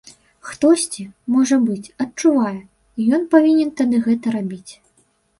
Хтосьці, можа быць, адчувае, і ён павінен тады гэта рабіць.